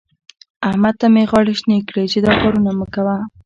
احمد ته مې غاړې شينې کړې چې دا کارونه مه کوه.